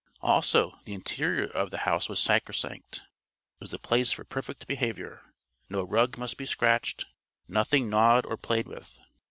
Also, the interior of the house was sacrosanct. It was a place for perfect behavior. No rug must be scratched, nothing gnawed or played with.